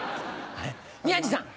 宮治さん。